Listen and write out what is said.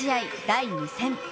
第２戦。